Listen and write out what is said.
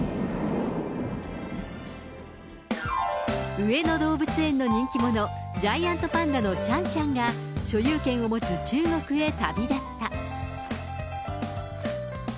上野動物園の人気者、ジャイアントパンダのシャンシャンが、所有権を持つ中国へ旅立った。